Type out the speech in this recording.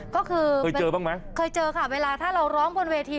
ก็คือเคยเจอบ้างไหมเคยเจอค่ะเวลาถ้าเราร้องบนเวที